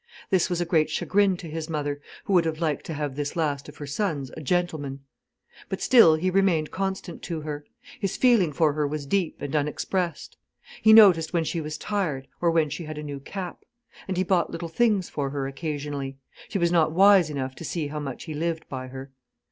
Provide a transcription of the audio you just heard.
This was a great chagrin to his mother, who would have liked to have this last of her sons a gentleman. But still he remained constant to her. His feeling for her was deep and unexpressed. He noticed when she was tired, or when she had a new cap. And he bought little things for her occasionally. She was not wise enough to see how much he lived by her.